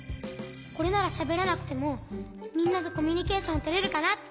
これならしゃべらなくてもみんなとコミュニケーションとれるかなって。